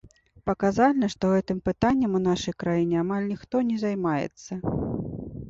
Паказальна, што гэтым пытаннем у нашай краіне амаль ніхто не займаецца.